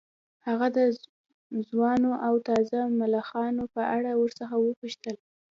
هغه د ځوانو او تازه ملخانو په اړه ورڅخه وپوښتل